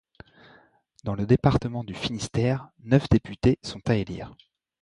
Dans le département du Finistère, neuf députés sont à élire.